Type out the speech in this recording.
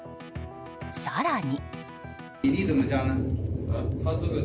更に。